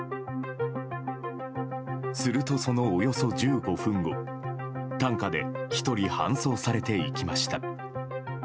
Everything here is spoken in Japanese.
すると、そのおよそ１５分後担架で１人搬送されていきました。